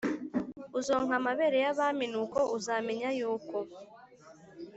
uzonka amabere y abami Nuko uzamenya yuko